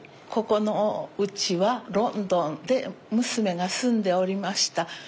ここのうちはロンドンで娘が住んでおりました